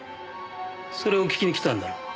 それを聞きに来たんだろ？